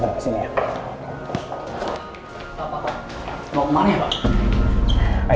bapak bawa kemari ya pak